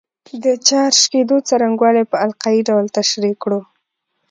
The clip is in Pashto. د چارج کېدو څرنګوالی په القايي ډول تشریح کړو.